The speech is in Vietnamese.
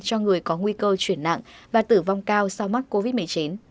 cho người có nguy cơ chuyển nặng và tử vong cao sau mắc covid một mươi chín